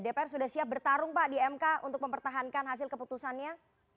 dpr sudah siap bertarung pak di mk untuk mempertahankan hasil keputusannya